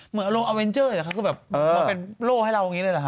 เหมือนโล่อัลเวนเจอร์เขาก็บอกเป็นโล่ให้เราอย่างนี้เลยหรือคะ